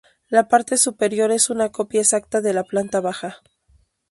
La parte superior es una copia exacta de la planta baja.